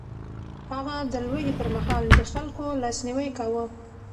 هغه د لوږې پر مهال د خلکو لاسنيوی کاوه.